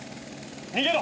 逃げろ。